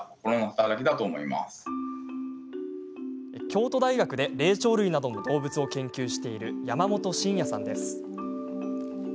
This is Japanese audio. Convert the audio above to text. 京都大学で霊長類などの動物を研究している山本真也さんです。